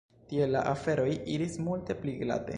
Tie la aferoj iris multe pli glate.